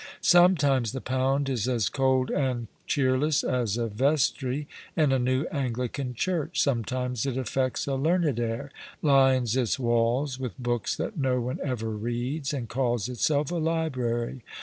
Sometimes the pound is as cold and cheerless as a vestry in a new Anglican church ; sometimes it alfects a learned air, lines its walls with books that no one ever reads, and calls itself a library.